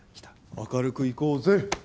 明るく行こぜ！